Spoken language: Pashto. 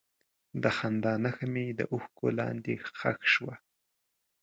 د خندا نښه مې د اوښکو لاندې ښخ شوه.